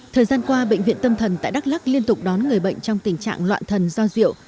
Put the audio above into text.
thời gian qua bệnh viện tâm thần tại đắk lắc liên tục đón người bệnh trong tình trạng loạn thần do rượu